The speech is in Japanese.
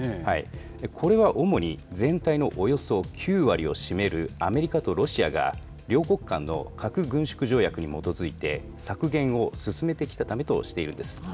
これは主に、全体のおよそ９割を占めるアメリカとロシアが、両国間の核軍縮条約に基づいて、削減を進めてきたためとしているんです。